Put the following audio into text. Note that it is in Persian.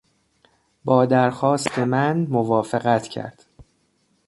با درخواست من موافقت کرد.